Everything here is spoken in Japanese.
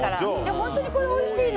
本当にこれおいしいの。